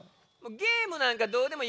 ゲームなんかどうでもいい。